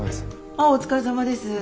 ああお疲れさまです。